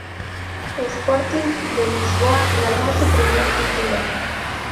Sporting de Lisboa ganó su primer título.